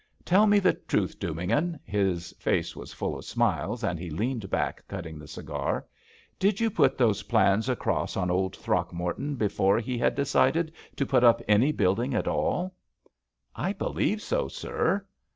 "Tell me the truth, Dubignon" — his face was full of smiles and he leaned back, cutting the cigar — "did you put those plans across on old Throckmorton before he had decided ti^ put up any building at all?" ^ JUST SWEETHEARTS ^ "I believe so, sir."